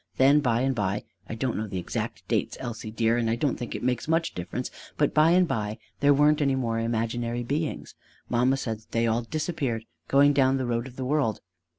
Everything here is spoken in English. Then by and by I don't know the exact date, Elsie, dear, and I don't think it makes much difference; but by and by there weren't any more imaginary beings. Mamma said that they all disappeared, going down the road of the world."